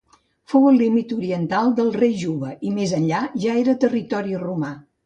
Fou el límit oriental del rei Juba i més enllà ja era territori romà.